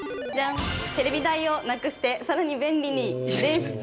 ◆テレビ台をなくしてさらに便利にです。